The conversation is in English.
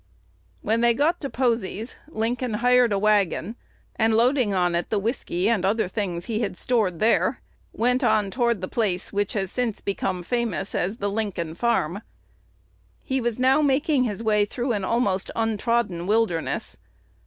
When they got to Posey's, Lincoln hired a wagon, and, loading on it the whiskey and other things he had stored there, went on toward the place which has since become famous as the "Lincoln Farm." He was now making his way through an almost untrodden wilderness.